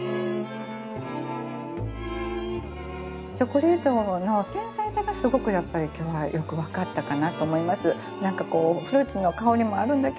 チョコレートの繊細さがすごくやっぱり今日はよく分かったかなと思います。